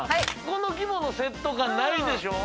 この規模のセット感ないでしょ？